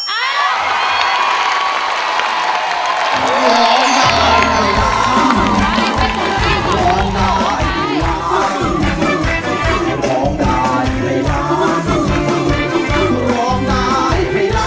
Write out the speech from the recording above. เพราะร้องนายให้ร้าง